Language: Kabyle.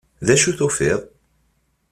D acu tufiḍ?